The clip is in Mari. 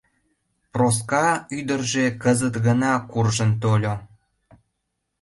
Проска ӱдыржӧ кызыт гына куржын тольо.